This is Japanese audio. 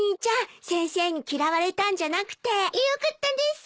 先生に嫌われたんじゃなくて。よかったです！